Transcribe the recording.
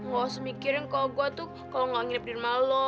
gak usah mikirin kalau gue tuh kalau gak nginep di rumah lo